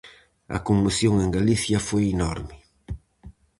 A conmoción en Galicia foi enorme.